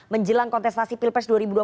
menjelang kontestasi pilpres dua ribu dua puluh